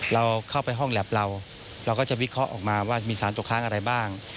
เราเข้าไปห้องแล็บเราเราก็จะวิเคราะห์ออกมาว่ามีสารตกค้างอะไรบ้าง